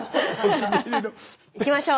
いきましょう。